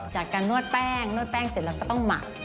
จากการนวดแป้งนวดแป้งเสร็จเราก็ต้องหมัก